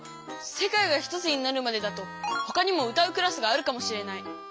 「世界がひとつになるまで」だと他にも歌うクラスがあるかもしれない。